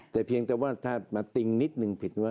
แต่เพียงแต่ว่าถ้ามาติ้งนิดนึงผิดว่า